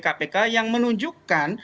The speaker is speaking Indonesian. kpk yang menunjukkan